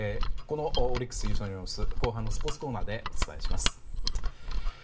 オリックス優勝の様子は後半のスポーツコーナーでお伝えします。